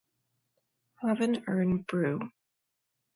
Have an Irn Bru.